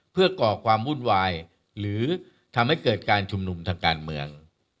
เพื่อก่อความวุ่นวายหรือทำให้เกิดการชุมนุมทางการเมือง